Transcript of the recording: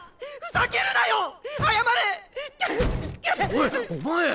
おいお前。